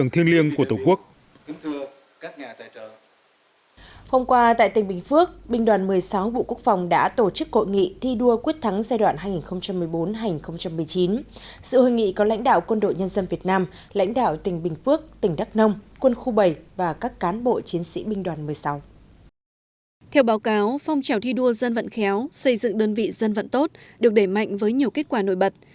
theo báo cáo phong trào thi đua dân vận khéo xây dựng đơn vị dân vận tốt được để mạnh với nhiều kết quả nổi bật